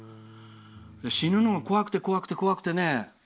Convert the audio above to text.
死ぬのが怖くて怖くて怖くてね。